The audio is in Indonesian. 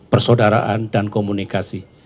persaudaraan dan komunikasi